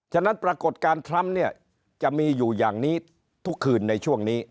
ฉะนั้นปรากฏการณ์ทรัมป์เนี่ยจะมีอยู่อย่างนี้ทุกคืนในช่วงนี้